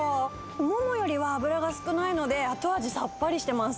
モモよりは脂が少ないので、後味さっぱりしてます。